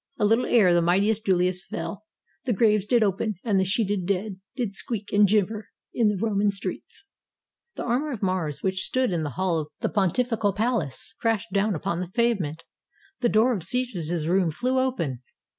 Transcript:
"A little ere the mightiest Julius fell, The graves did open, and the sheeted dead Did squeak and jibber in the Roman streets." The armor of Mars, which stood in the hall of the Pontif ical palace, crashed down upon the pavement. The door of Caesar's room flew open.